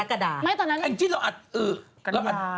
กันยา